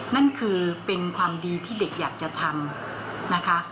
นั่นคือเป็นความดีที่เด็กอยากจะทำนะคะ